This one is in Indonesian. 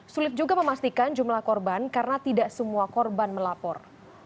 sulit juga memastikan jumlah korban karena tidak semua korban melapor